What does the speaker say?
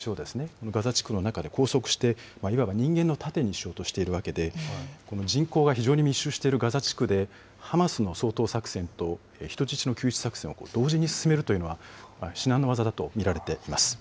一方で、ハマスは今、１００人以上の人質をガザ地区の中に拘束して、いわば人間の盾にしようとしてるわけで、この人口が非常に密集しているガザ地区で、ハマスの掃討作戦と、人質の救出作戦を同時に進めるというのは、至難の業だと見られています。